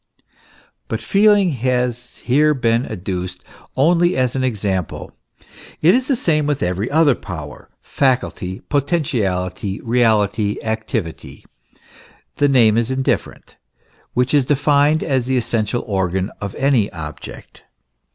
But feeling has here been adduced only as an example. It is the same with every other power, faculty, potentiality, reality, activity the name is indifferent which is denned as the essential organ of any object.